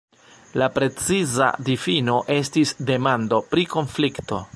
La preciza difino estis demando pri konflikto.